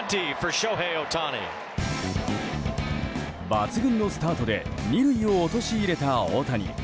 抜群のスタートで２塁を陥れた大谷。